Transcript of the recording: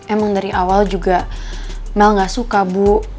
emang dari awal juga mel gak suka bu